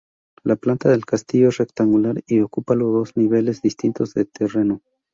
La planta del castillo es rectangular y ocupa dos niveles distintos de terreno.